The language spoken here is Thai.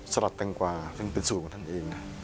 ลัดแตงกวาซึ่งเป็นสูตรของท่านเองนะ